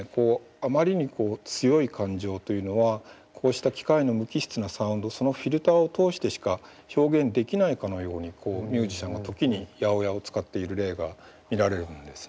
あまりにこう強い感情というのはこうした機械の無機質なサウンドそのフィルターを通してしか表現できないかのようにミュージシャンが時に８０８を使っている例が見られるんですね。